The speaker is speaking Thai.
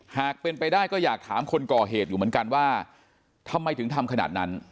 หากเป็นไปได้ก็อยากถามคนก่อเหตุอยู่เหมือนกันว่าทำไมถึงทำขนาดนั้น